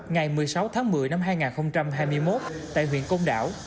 ngày một mươi sáu tháng một mươi năm hai nghìn hai mươi một tại huyện công đảo